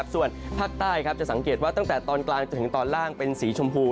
ส่วนภาคใต้จะสังเกตว่าตั้งแต่ตอนกลางจนถึงตอนล่างเป็นสีชมพู